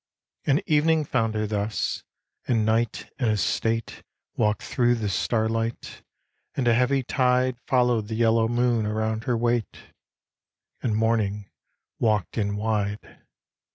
And evening found her thus, and night in state Walked thro' the starlight, and a heavy tide Followed the yellow moon around her wait, And morning walked in wide.